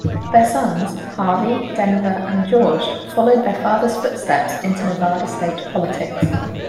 Their sons Harvey, Denver, and George followed their father's footsteps into Nevada state politics.